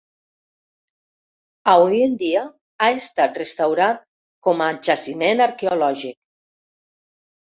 Avui en dia ha estat restaurat com a jaciment arqueològic.